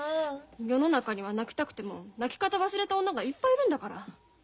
世の中には泣きたくても泣き方忘れた女がいっぱいいるんだから。